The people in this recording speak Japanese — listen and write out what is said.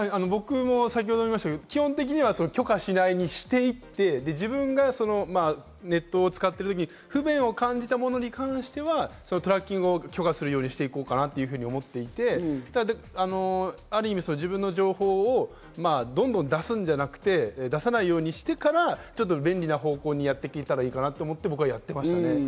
僕も先ほどもいいましたけれども、基本的に拒否しないにしていって自分がネット使ったとき、不便を感じたものに関してはトラッキングを許可するようにして行こうかなと思っていて、ある意味、自分の情報をどんどん出すんじゃなくて、出さないようにしてから便利な方向にやっていけたらいいかなと思って僕はやってましたね。